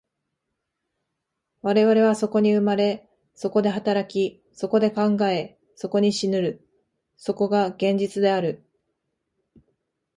我々はそこに生まれ、そこで働き、そこで考え、そこに死ぬる、そこが現実である。